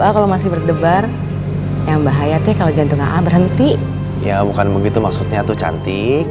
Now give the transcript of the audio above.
kalau masih berdebar yang bahaya tuh kalau jantungah a berhenti ya bukan begitu maksudnya tuh cantik